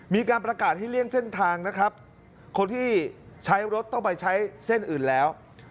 มีการประกาศให้เลี่ยงเส้นทางนะครับคนที่ใช้รถต้องไปใช้เส้นอื่นแล้ว